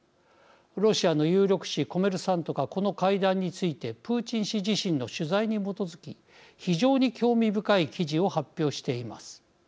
ロシアの有力紙コメルサントがこの会談についてプーチン氏自身の取材に基づき非常に興味深い記事を発表しています。